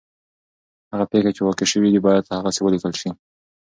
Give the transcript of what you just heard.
هغه پېښې چي واقع سوي دي باید هغسي ولیکل سي.